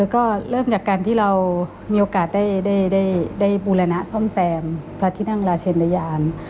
ก็เริ่มจากการที่เรามีโอกาสได้บูรณะซ่อมแซมพระที่นั่งราชเชนระยาน